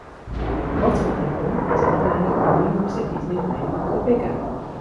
"Rotten Apple" is a play on New York City's nickname "The Big Apple".